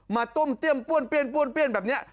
ต้มเตี้ยมป้วนเปี้ยนแบบนี้